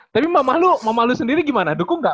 tapi mama lu mama lu sendiri gimana dukung gak